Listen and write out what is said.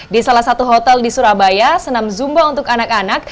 di salah satu hotel di surabaya senam zumba untuk anak anak